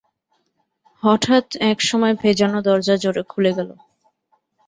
হঠাৎ এক সময় ভেজানো দরজা জোরে খুলে গেল।